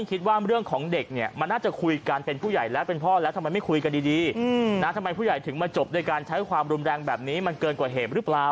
อันนี้ฝ่ายของพ่อของเด็กม๔เขาให้ปากคำและพูดเอาไว้แบบนี้ไปฟังเลยครับ